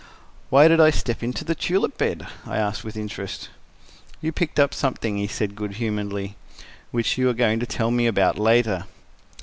"Why did I step into the tulip bed?" I asked with interest. "You picked up something," he said good humoredly, "which you are going to tell me about later."